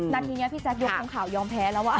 นัดนี้เนี่ยพี่แจ๊คดูของข่าวยอมแพ้แล้วอ่ะ